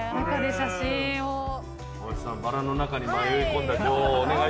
大橋さんバラの中に迷い込んだ女王